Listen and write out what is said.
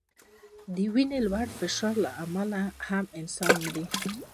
د وینې د لوړ فشار له امله هم انسانان مري.